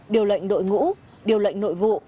điều lệnh đội ngũ điều lệnh nội vụ